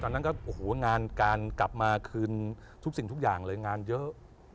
ตอนนั้นก็โอ้โหงานการกลับมาคืนทุกสิ่งทุกอย่างเลยงานเยอะ